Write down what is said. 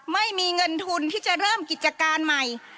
ไม่มีเงินทุนที่จะเริ่มกิจการใหม่